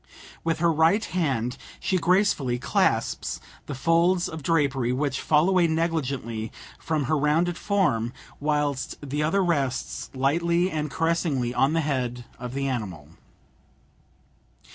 With her right hand she gracefully clasps the folds of drapery which fall away negligently from her rounded form, whilst the other rests lightly and caressingly on the head of the animal.